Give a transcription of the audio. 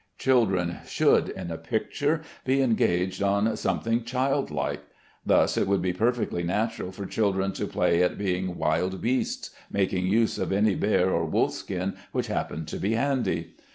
Children should, in a picture, be engaged on something childlike. Thus it would be perfectly natural for children to play at being wild beasts, making use of any bear or wolf skin which happened to be handy.